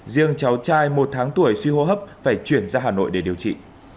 riêng cháu trai một tháng tuổi suy hô hấp phải chuyển ra hà nội để điều trị